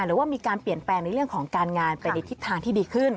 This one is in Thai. หรือว่ามีการเปลี่ยนแปลงในเรื่องของการงานไปในทิศทางที่ดีขึ้น